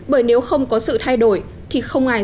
bởi nếu không có sự thay đổi thì không ai